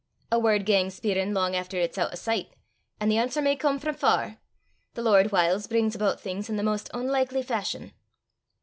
A word gangs speirin' lang efter it's oot o' sicht an' the answer may come frae far. The Lord whiles brings aboot things i' the maist oonlikly fashion."